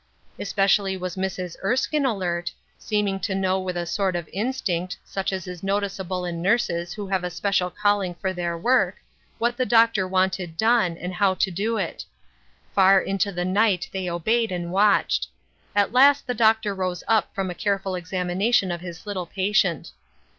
Especially was Mrs. Erskine alert, seeming to know by a sort of instinct, such as is noticeable in nurses who have a special calling for their work, what the Doctor wanted done, and how to do it. Far into the night they obeyed and watched. At last the Doctor rose up from a careful examination of his little patient.